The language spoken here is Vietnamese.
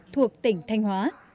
thuộc tỉnh thanh hóa